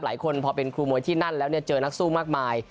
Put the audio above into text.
หลายคนพอเป็นครูมวยที่นั่นแล้วเนี่ยเจอนักสู้มากมาย